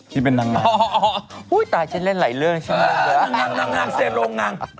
ที่เป็นนางนางอ๋ออุ๊ยตายฉันเล่นหลายเรื่องฉันเล่นหลายเรื่อง